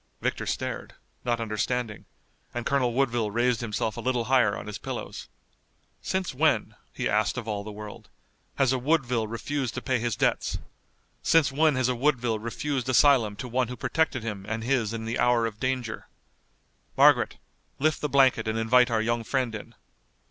Victor stared, not understanding, and Colonel Woodville raised himself a little higher on his pillows. "Since when," he asked of all the world, "has a Woodville refused to pay his debts? Since when has a Woodville refused asylum to one who protected him and his in the hour of danger? Margaret, lift the blanket and invite our young friend in."